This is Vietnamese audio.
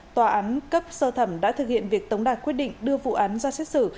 tòa án cấp sơ thẩm đã thực hiện việc tống đạt quyết định đưa vụ án ra xét xử